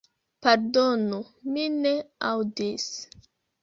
Pardonu, mi ne aŭdis.